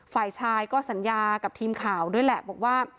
ฝ่ายชายก็สัญญากับทีมข่าวด้วยแหละบอกว่า